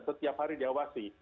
setiap hari diawasi